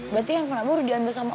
berarti yang pernah murid ambil sama